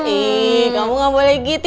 nih kamu gak boleh gitu